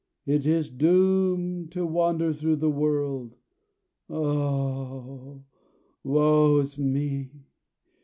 It is doomed to wander through the world oh, woe is me!